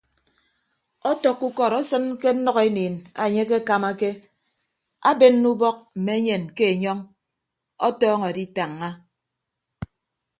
Ọtọkkọ ukọd esịn ke nnʌkeniin enye akekamake abenne ubọk mme enyen ke enyọñ ọtọọñọ editañña.